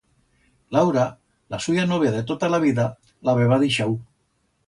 Laura, la suya novia de tota la vida, l'habeba dixau.